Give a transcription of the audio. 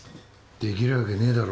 できるわけねえだろ